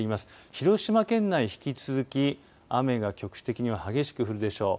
広島県内、引き続き雨が局地的には激しく降るでしょう。